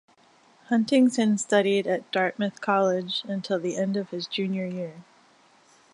Huntington studied at Dartmouth College until the end of his junior year.